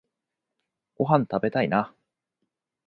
ごはんたべたいな